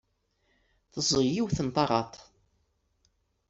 Teẓẓeg yiwet n taɣaḍt.